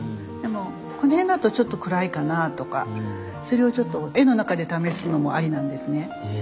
でもこの辺だとちょっと暗いかなとかそれをちょっと絵の中で試すのもありなんですね。